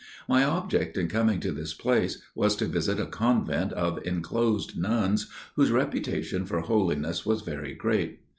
My object in coming to this place was to visit a convent of enclosed nuns whose reputation for holiness was very great.